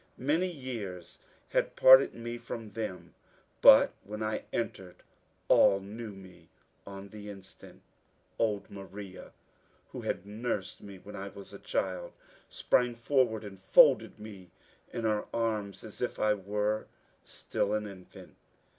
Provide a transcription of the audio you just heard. Many years had parted me from them, but when I entered all knew me on the instant. Old Maria, who had nursed me when I was a child, sprang forward and folded me in her arms as if I were still an infant.